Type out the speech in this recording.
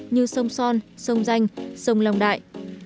như sông son sông danh sông long đại